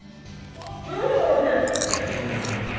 いやあいいな。